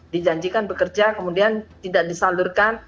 dijanjikan bekerja kemudian tidak disalurkan